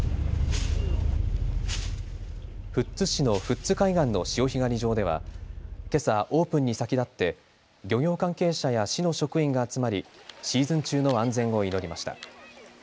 富津市の富津海岸の潮干狩り場ではけさ、オープンに先立って漁業関係者や市の職員が集まりシーズン中の安全を祈りました。